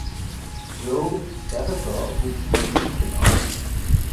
Joe Berger wuchs bei München auf.